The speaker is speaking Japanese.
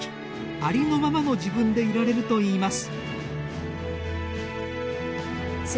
ありのままの自分でいられると言います。